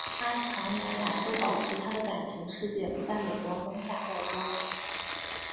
她长年来都保持她的感情世界不在镁光灯下曝光。